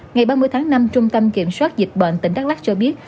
ngày ba mươi tháng năm trung tâm kiểm soát dịch bệnh tỉnh đắk lắc cho biết